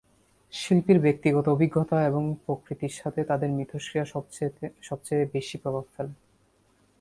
শিল্পীর ব্যক্তিগত অভিজ্ঞতা এবং প্রকৃতির সাথে তাদের মিথস্ক্রিয়া সবচেয়ে বেশি প্রভাব ফেলে।